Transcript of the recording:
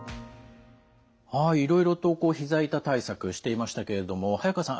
はいいろいろとこうひざ痛対策していましたけれども早川さん